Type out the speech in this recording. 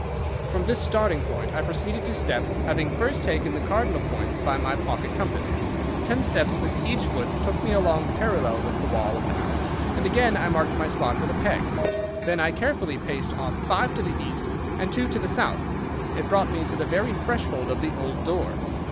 "From this starting point I proceeded to step, having first taken the cardinal points by my pocket compass. Ten steps with each foot took me along parallel with the wall of the house, and again I marked my spot with a peg. Then I carefully paced off five to the east and two to the south. It brought me to the very threshold of the old door.